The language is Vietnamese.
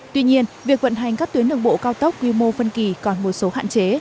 tuy nhiên việc vận hành các tuyến đường bộ cao tốc quy mô phân kỳ còn một số hạn chế